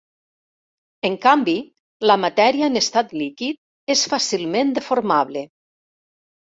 En canvi, la matèria en estat líquid és fàcilment deformable.